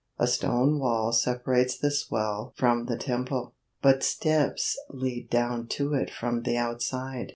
A stone wall separates this well from the temple, but steps lead down to it from the outside.